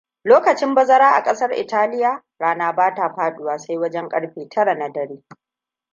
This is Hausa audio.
Lokacin bazara a ƙasar Italiya, rana bata faɗuwa sai wajen ƙarfe tara na dare.